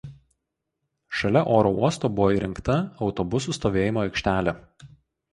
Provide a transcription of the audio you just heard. Šalia oro uosto buvo įrengta autobusų stovėjimo aikštelė.